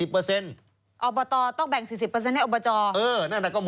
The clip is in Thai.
อบตต้องแบ่ง๔๐ให้อบจ